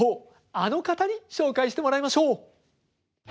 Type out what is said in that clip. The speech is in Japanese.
あの方に紹介してもらいましょう。